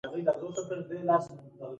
اوټو ایفز اطلاع ورکړه.